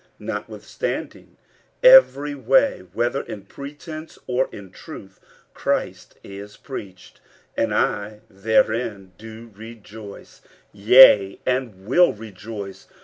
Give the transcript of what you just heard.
notwithstanding, every way, whether in pretence, or in truth, Christ is preached; and I therein do rejoice, yea, and will rejoice.